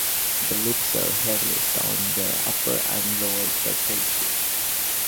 The leaves are hairless on their upper and lower surfaces.